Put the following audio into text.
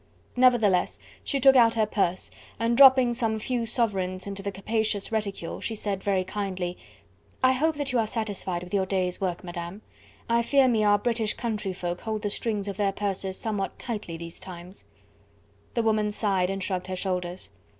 Nevertheless, she took out her purse, and dropping some few sovereigns into the capacious reticule, she said very kindly: "I hope that you are satisfied with your day's work, Madame; I fear me our British country folk hold the strings of their purses somewhat tightly these times." The woman sighed and shrugged her shoulders.